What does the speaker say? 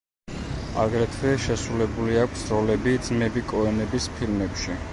აგრეთვე შესრულებული აქვს როლები ძმები კოენების ფილმებში.